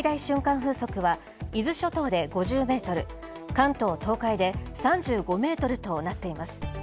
風速は伊豆諸島で５０メートル、関東・東海で３５メートルとなっています。